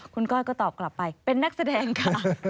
คุณก้อยก็ตอบกลับไปเป็นนักแสดงค่ะ